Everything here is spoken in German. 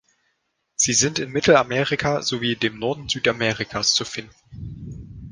Sie sind in Mittelamerika sowie dem Norden Südamerikas zu finden.